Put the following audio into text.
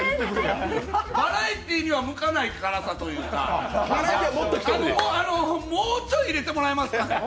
バラエティーには向かない辛さというか、もうちょい入れてもらえますかね？